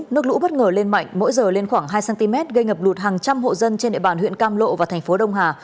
nước lũ bất ngờ lên mạnh mỗi giờ lên khoảng hai cm gây ngập lụt hàng trăm hộ dân trên địa bàn huyện cam lộ và thành phố đông hà